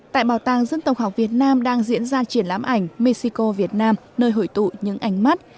tại bảo tàng dân tộc học việt nam đang diễn ra triển lãm ảnh mexico việt nam nơi hội tụ những ảnh mắt